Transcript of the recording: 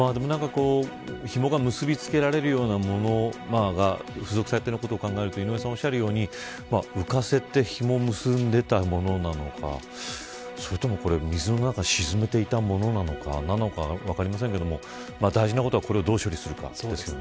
ひもが結び付けられるようなものが付属されていること考えると井上さんがおっしゃるように浮かせてひもを結んでいたものなのかそれとも水の中に沈めていたものなのか分かりませんけど大事なことはこれをどう処理するかですね。